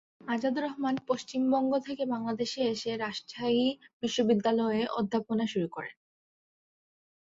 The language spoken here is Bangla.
আজাদ রহমান পশ্চিমবঙ্গ থেকে বাংলাদেশে এসে রাজশাহী বিশ্ববিদ্যালয়ে অধ্যাপনা শুরু করেন।